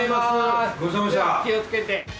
気をつけて。